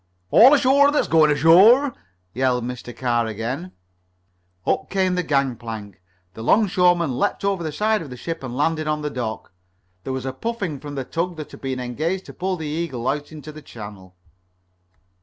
"All ashore that's going ashore!" yelled Mr. Carr again. Up came the gangplank. The 'longshoreman leaped over the side of the ship and landed on the dock. There was a puffing from the tug that had been engaged to pull the Eagle out into the channel.